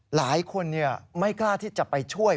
หลายคนไม่กล้าที่จะไปช่วย